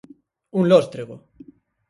Un lóstrego.